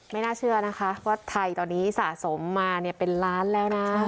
น่าเชื่อนะคะว่าไทยตอนนี้สะสมมาเป็นล้านแล้วนะ